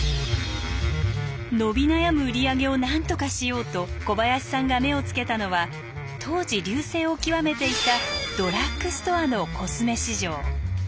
伸び悩む売り上げをなんとかしようと小林さんが目を付けたのは当時隆盛を極めていたドラッグストアのコスメ市場。